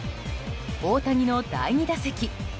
大谷の第２打席。